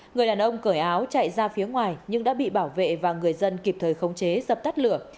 người đàn ông cởi áo chạy ra phía ngoài nhưng đã bị bảo vệ và người dân kịp thời khống chế dập tắt lửa